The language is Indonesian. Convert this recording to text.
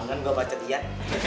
kangen gue baca ian